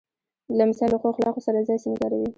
لمسی له ښو اخلاقو سره ځان سینګاروي.